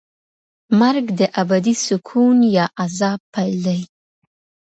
مرګ د ابدي سکون یا عذاب پیل دی.